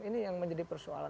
ini yang menjadi persoalan